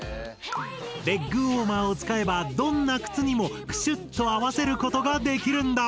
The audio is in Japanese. レッグウォーマーを使えばどんな靴にもクシュっと合わせることができるんだ。